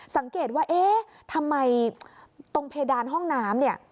สังเกตว่าเอ๊ะทำไมตรงเพดานห้องน้ำเนี่ย